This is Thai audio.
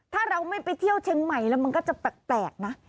ถ้าเราไม่ไปเที่ยวเชียงใหม่แล้วมันก็จะแปลกนะ